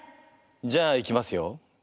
じゃあいきますよ。